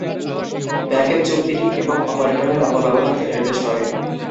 Package চুক্তিটি "এবং" অপারেটরের অপব্যবহারকে নির্দেশ করে।